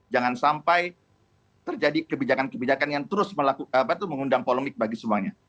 jangan sampai terjadi kebijakan kebijakan yang terus mengundang polemik bagi semuanya